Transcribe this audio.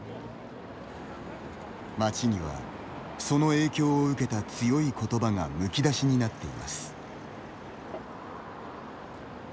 町には、その影響を受けた強い言葉がむき出しになっています。